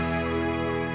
adam harus mengintimidasi